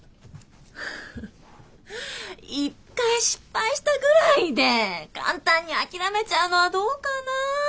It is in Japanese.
一回失敗したぐらいで簡単に諦めちゃうのはどうかな。